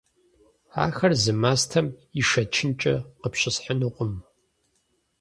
Ахэр зы мастэм ишэчынкӀэ къыпщысхьынукъым.